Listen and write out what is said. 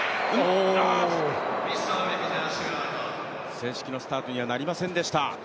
正式のスタートにはなりませんでした。